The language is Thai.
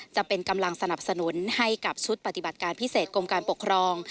จะเป็นกำลังสนับสนุนให้กับชุดปฏิบัติการพิเศษกรมการปกครอง